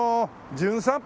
『じゅん散歩』。